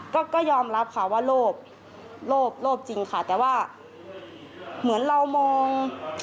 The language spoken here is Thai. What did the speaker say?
ก็ก็ยอมรับค่ะว่าโลภโลภโลภจริงค่ะแต่ว่าเหมือนเรามอง